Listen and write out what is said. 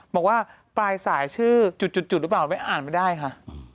บอกว่าปลายสายชื่อจุดหรือเปล่าไม่อ่านไม่ได้ค่ะ